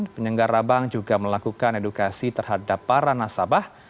penyelenggara bank juga melakukan edukasi terhadap para nasabah